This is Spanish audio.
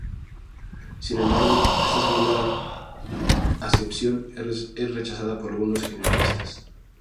Sin embargo, esta segunda acepción es rechazada por algunos genealogistas.